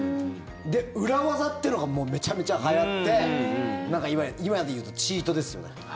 裏技っていうのがめちゃめちゃはやって今でいうとチートですよね。